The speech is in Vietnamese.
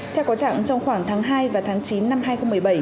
theo có trạng trong khoảng tháng hai và tháng chín năm hai nghìn một mươi bảy